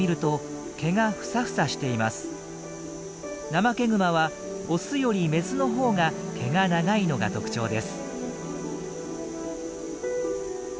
ナマケグマはオスよりメスのほうが毛が長いのが特徴です。